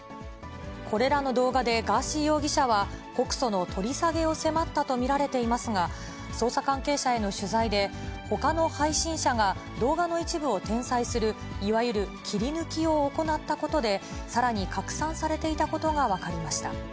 これらの動画でガーシー容疑者は告訴の取り下げを迫ったと見られていますが、捜査関係者への取材で、ほかの配信者が動画の一部を転載するいわゆる切り抜きを行ったことで、さらに拡散されていたことが分かりました。